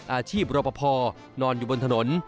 อาชีพรปภนอนอยู่บนถนน